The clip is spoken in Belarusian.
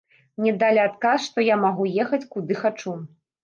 Мне далі адказ, што я магу ехаць куды хачу.